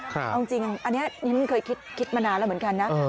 เอาจริงอันนี้ฉันเคยคิดมานานแล้วเหมือนกันนะ